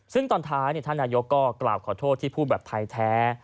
ซึ่งตอนท้ายท่านนายกก็กล่าวขอโทษที่พูดแบบไทยแท้